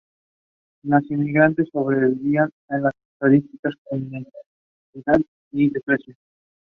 The cast also included Thomas Weston as Jack and Sarah Gardner as Mrs Circuit.